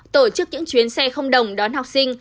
tổ chức những chuyến xe không đồng đón học sinh